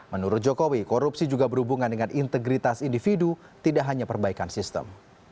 menurut jokowi korupsi juga berhubungan dengan integritas individu tidak hanya perbaikan sistem